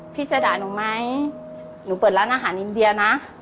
พี่จะด่าหนูไหมหนูเปิดร้านอาหารอินเดียนะ